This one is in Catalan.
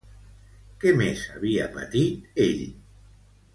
Què més havia patit ell?